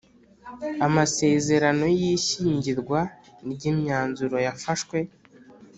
Amasezerano y’ishyingirwa ry’imyanzuro yafashwe